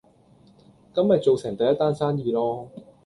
咁咪做成第一單生意囉